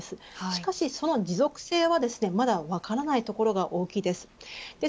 しかしその持続性はまだ分からないところが大きいです。